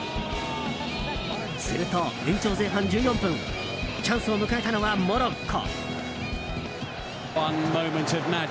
すると延長前半１４分チャンスを迎えたのはモロッコ。